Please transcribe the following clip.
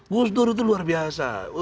gus dur itu luar biasa